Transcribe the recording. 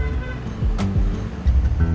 terus aku mau pergi ke rumah